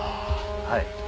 はい。